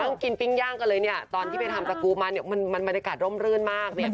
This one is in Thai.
กินปิ้งย่างกันเลยเนี่ยตอนที่ไปทำตระกูลมาเนี่ยมันบรรยากาศร่มรื่นมากเนี่ย